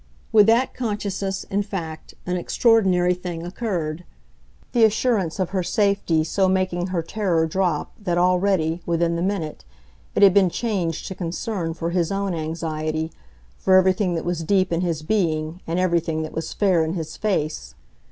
With that consciousness, in fact, an extraordinary thing occurred; the assurance of her safety so making her terror drop that already, within the minute, it had been changed to concern for his own anxiety, for everything that was deep in his being and everything that was fair in his face.